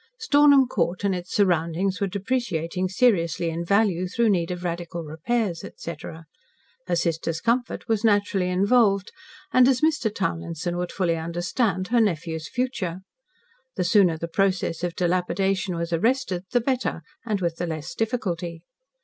Stornham Court and its surroundings were depreciating seriously in value through need of radical repairs etc. Her sister's comfort was naturally involved, and, as Mr. Townlinson would fully understand, her nephew's future. The sooner the process of dilapidation was arrested, the better and with the less difficulty.